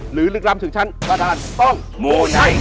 พร้อมถึงชั้นประดาษต้องหมูไหน